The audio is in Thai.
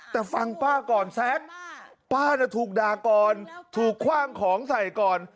แต่ฟังป้าก่อนแซ็กป้าน่ะถูกด่าก่อนถูกคว่างของใส่ก่อน